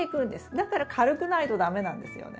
だから軽くないと駄目なんですよね。